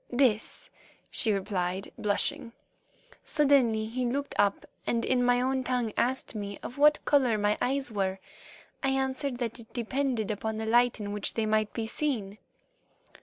"This," she replied, blushing. "Suddenly he looked up and in my own tongue asked me of what colour were my eyes. I answered that it depended upon the light in which they might be seen.